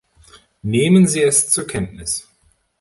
Nehmen Sie es zur Kenntnis.